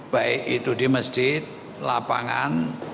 baik itu di masjid lapangan